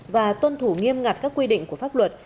và tuân thủ nghiêm ngặt các quy định của pháp luật